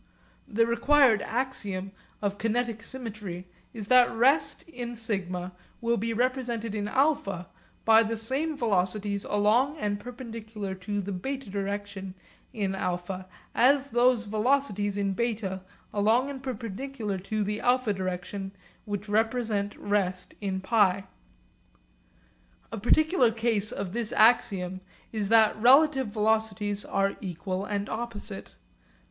The required axiom of kinetic symmetry is that rest in σ will be represented in α by the same velocities along and perpendicular to the β direction in α as those velocities in β along and perpendicular to the α direction which represent rest in π. A particular case of this axiom is that relative velocities are equal and opposite.